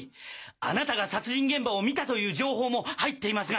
あなたが殺人現場を見たという情報も入っていますが。